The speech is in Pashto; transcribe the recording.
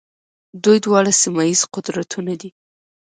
دوی دواړه سیمه ییز قدرتونه دي.